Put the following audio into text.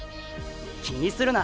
「気にするな。